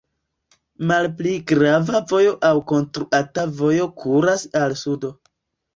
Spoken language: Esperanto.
Malpli grava vojo aŭ konstruata vojo kuras al sudo.